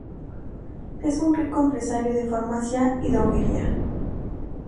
Es un rico empresario de farmacia y droguería.